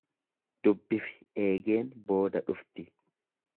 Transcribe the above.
Dubbifi eegeen booda dhufti.